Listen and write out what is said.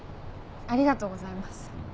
ありがとうございます。